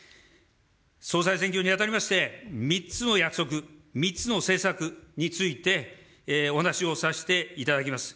総裁選挙にあたりまして３つの約束、３つの政策について、お話をさせていただきます。